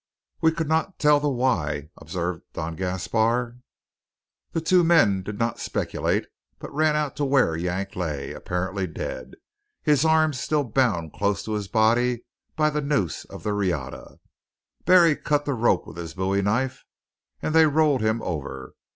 "We could not tell the why," observed Don Gaspar. The two men did not speculate, but ran out to where Yank lay, apparently dead, his arms still bound close to his body by the noose of the riata. Barry cut the rope with his bowie knife, and they rolled him over.